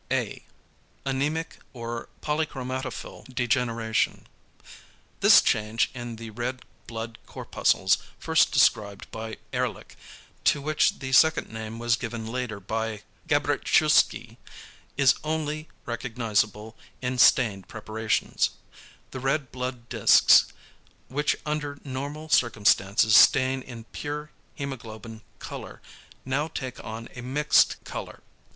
A. =Anæmic or polychromatophil degeneration.= This change in the red blood corpuscles, first described by Ehrlich, to which the second name was given later by Gabritschewski, is =only recognisable in stained preparations=. The red blood discs, which under normal circumstances stain in pure hæmoglobin colour, now take on a mixed colour.